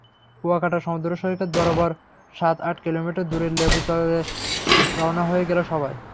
কুয়াকাটা সমুদ্রসৈকত বরাবর সাত-আট কিলোমিটার দূরের লেবুর চরে রওনা হয়ে গেল সবাই।